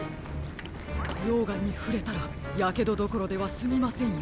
ようがんにふれたらやけどどころではすみませんよ。